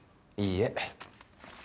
いいえ。